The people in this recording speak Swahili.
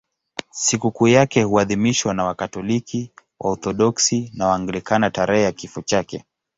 Sikukuu yake huadhimishwa na Wakatoliki, Waorthodoksi na Waanglikana tarehe ya kifo chake.